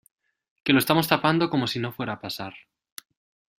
que lo estamos tapando como si no fuera a pasar